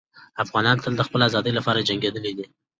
افغانان تل د خپلې ازادۍ لپاره جنګېدلي دي.